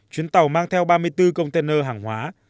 chuyến tàu mang theo ba mươi bốn container hàng hóa